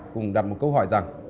cùng đặt một câu hỏi rằng